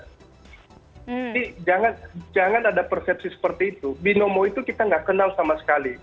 jadi jangan ada persepsi seperti itu binomo itu kita nggak kenal sama sekali